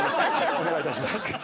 お願いいたします。